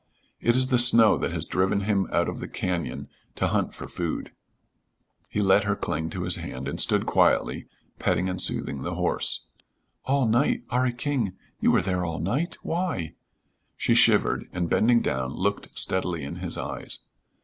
It is the snow that has driven him out of the cañon to hunt for food." He let her cling to his hand and stood quietly, petting and soothing the horse. "All night? 'Arry King, you were there all night? Why?" she shivered, and, bending down, looked steadily in his eyes.